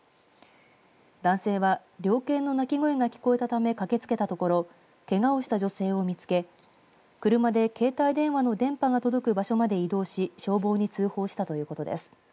男性は猟犬の鳴き声が聞こえたため駆けつけたところけがをした女性を見つけ車で携帯電話の電波が届く場所まで移動し消防に通報したということです。